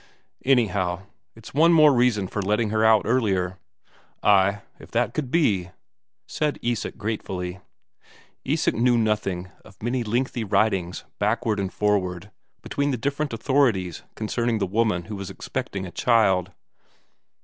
"Anyhow, it's one more reason for letting her out earlier." "Ay, if that could be ..." said Isak gratefully. Isak knew nothing of the many lengthy writings backward and forward between the different authorities concerning the woman who was expecting a child.